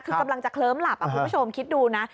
คือกำลังจะเคลิ้มหลับคุณผู้ชมคิดดูนะ